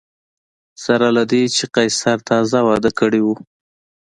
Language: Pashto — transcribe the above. سره له دې چې قیصر تازه واده کړی و